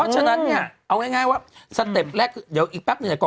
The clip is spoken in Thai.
โหอีก๓เน้ยเอาง่ายเนี่ย